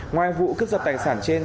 ngoài vụ cướp giật tài sản trên